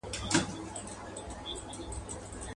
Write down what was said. د یارۍ مثال د تېغ دی خلاصېدل ورڅخه ګران دي.